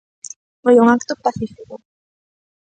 Foi un acto pacífico.